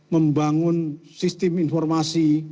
membangun sistem informasi